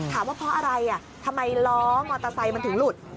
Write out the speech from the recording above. ว่าเพราะอะไรทำไมล้อมอเตอร์ไซค์มันถึงหลุด